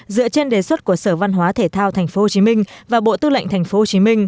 dựa trên đề xuất của sở văn hóa thể thao tp hcm và bộ tư lệnh tp hcm